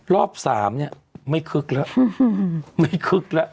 รอบ๓ไม่คึกแล้ว